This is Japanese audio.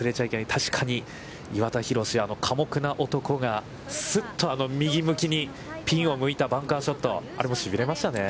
確かに岩田寛、あの寡黙な男がすっとあの右向きに、ピンを向いたバンカーショット、あれもしびれましたね。